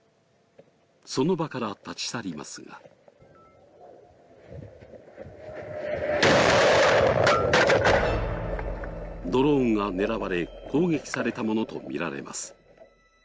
その場から立ち去りますがドローンが狙われ、攻撃されたものとみられます。